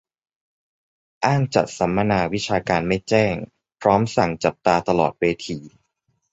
อ้างจัดสัมมนาวิชาการไม่แจ้ง พร้อมสั่งจับตาตลอดเวที